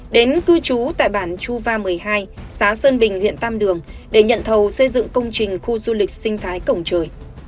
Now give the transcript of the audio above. đến cư trú tại bản chu va một mươi hai xã sơn bình huyện tam đường để nhận thầu xây dựng công trình khu du lịch sinh thái cổng trời